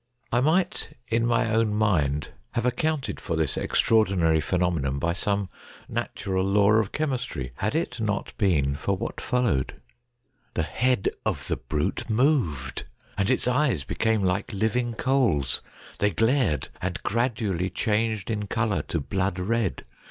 I might, in my own mind, THE CHINA DOG 131 have accounted for this extraordinary phenomenon by some natural law of chemistry, had it not been for what followed. The head of the brute moved, and its eyes became like living coals. They glared, and gradually changed in colour to blood red.